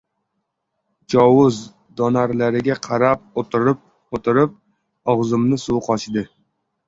Jovuz donalariga qarab o‘tirib-o‘tirib... og‘zimni suvi qochdi!